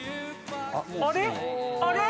あれ？